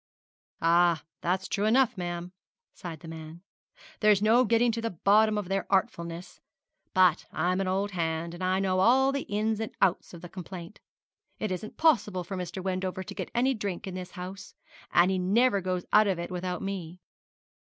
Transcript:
'Ah, that's true enough, ma'am,' sighed the man; 'there's no getting to the bottom of their artfulness: but I'm an old hand, and I know all the ins and outs of the complaint. It isn't possible for Mr. Wendover to get any drink in this house, and he never goes out of it without me.